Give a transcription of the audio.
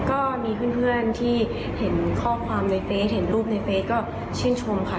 ก็มีเพื่อนที่เห็นข้อความในเฟสเห็นรูปในเฟสก็ชื่นชมค่ะ